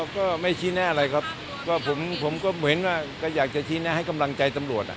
ก็ไม่ชี้แน่อะไรครับก็ผมก็เหมือนว่าก็อยากจะชี้แนะให้กำลังใจตำรวจ